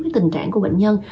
với tình trạng của bệnh nhân